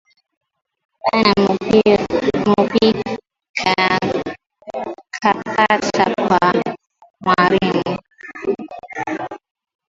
Bana mupika kapata kwa mwarimu